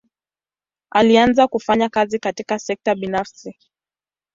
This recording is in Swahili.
Alianza kufanya kazi katika sekta binafsi.